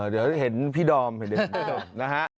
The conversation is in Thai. เดี๋ยวจะเห็นพี่ดอมเห็นเด่นนะครับ